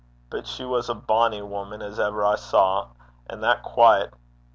but she was a bonnie wuman as ever I saw, an' that quaiet!